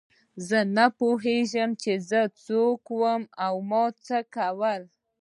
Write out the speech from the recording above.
زه نه پوهېږم چې زه څوک وم او ما څه وکړل.